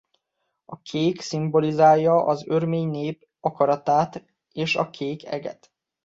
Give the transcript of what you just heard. A kék szimbolizálja az örmény nép akaratát és a kék eget.